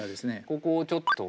ここをちょっと。